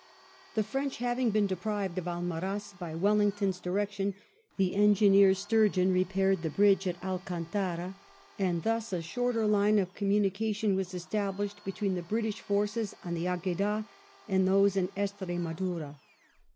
The French having been deprived of Almaraz, by Wellington's direction the Engineer Sturgeon repaired the bridge at Alcantara, and thus a shorter line of com munication was established between the British forces on the Agueda and those in Estremadura.